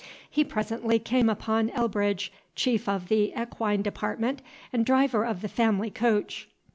He presently came upon Elbridge, chief of the equine department, and driver of the family coach.